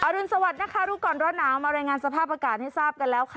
รุนสวัสดิ์นะคะรู้ก่อนร้อนหนาวมารายงานสภาพอากาศให้ทราบกันแล้วค่ะ